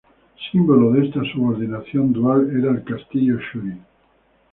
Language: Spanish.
Símbolo de esta subordinación dual era el Castillo Shuri.